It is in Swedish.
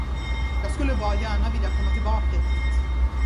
Jag skulle bra gärna vilja komma tillbaka hit.